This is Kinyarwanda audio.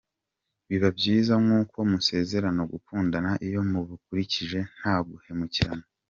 Biba byiza nk’uko musezerana gukundana iyo mubikurikije nta guhemukirana.